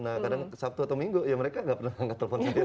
nah kadang sabtu atau minggu ya mereka nggak pernah nge telpon saya